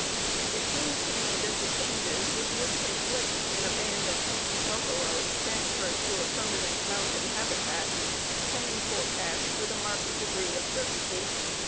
It seems to me that the changes which would take place in a band of plains buffaloes transferred to a permanent mountain habitat can be forecast with a marked degree of certainty.